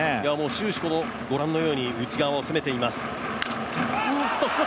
終始、ごらんのように内側を攻めています。